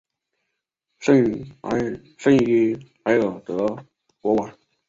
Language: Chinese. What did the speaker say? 圣伊莱尔德博瓦。